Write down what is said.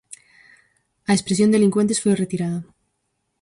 A expresión delincuentes foi retirada.